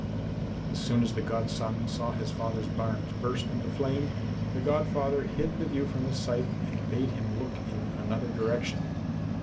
As soon as the godson saw his father's barns burst into flame the godfather hid the view from his sight and bade him look in another direction.